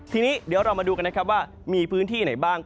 ทีนี้เดี๋ยวเรามาดูกันนะครับว่ามีพื้นที่ไหนบ้าง